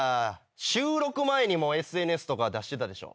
収録前にもＳＮＳとか出してたでしょ。